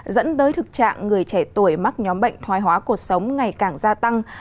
dẫn tới thực trạng người trẻ tuổi mắc nhóm bệnh thoái hóa cuộc sống ngày càng gia tăng